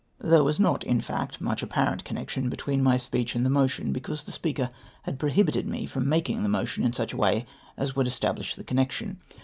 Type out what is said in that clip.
There was not, in fact, much apparent connection between my speech and the motion, because the Speaker had prohibited me from maldng the motion in such a way as would establish the connection.